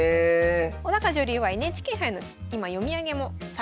小女流はＮＨＫ杯の今読み上げもされております。